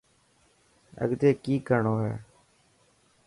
اڳتي ڪئي ڪرڻو هي.